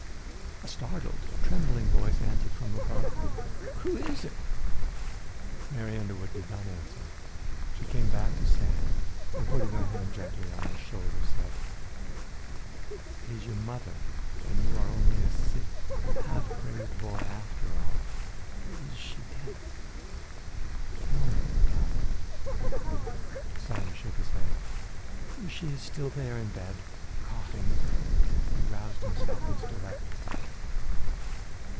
A startled, trembling voice answered from above, "Who is it?" Mary Underwood did not answer. She came back to Sam and, putting her hand gently on his shoulder, said, "It is your mother and you are only a sick, half crazed boy after all. Is she dead? Tell me about it." Sam shook his head. "She is still there in the bed, coughing." He roused himself and stood up.